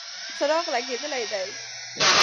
څراغ لګېدلی دی.